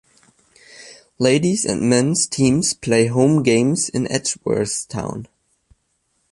Ladies and Men's teams play home games in Edgeworthstown.